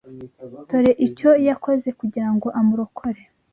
Dore icyo yakoze kugira ngo amurokore